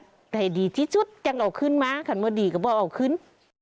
ให้ดีที่สุดจังออกขึ้นมาขันวดี่ก็บอกออกขึ้น